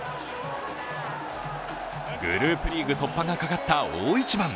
グループリーグ突破がかかった大一番。